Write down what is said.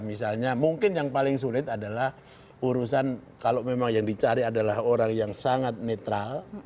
misalnya mungkin yang paling sulit adalah urusan kalau memang yang dicari adalah orang yang sangat netral